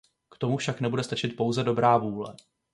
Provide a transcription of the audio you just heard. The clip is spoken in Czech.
K tomu však nebude stačit pouze dobrá vůle.